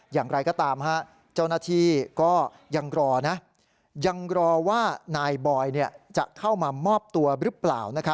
อย่างไรก็ตามเจ้าหน้าที่ก็ยังรอนะยังรอว่านายบอยจะเข้ามามอบตัวหรือเปล่า